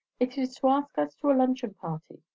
It is to ask us to a luncheon party.